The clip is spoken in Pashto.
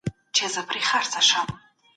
د مالیاتي نظام رامنځته کیدل ډیر بدلونونه راوستل.